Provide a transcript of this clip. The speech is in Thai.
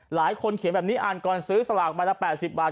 เขียนแบบนี้อ่านก่อนซื้อสลากใบละ๘๐บาท